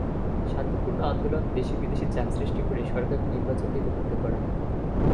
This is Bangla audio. শান্তিপূর্ণ আন্দোলন, দেশি-বিদেশি চাপ সৃষ্টি করে সরকারকে নির্বাচন দিতে বাধ্য করা।